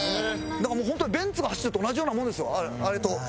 だからもうホントにベンツが走ってるのと同じようなもんですよあれと。